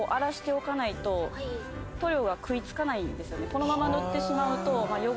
このまま塗ってしまうと。